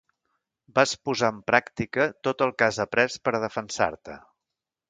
Vas a posar en pràctica tot el que has aprés per a defensar-te.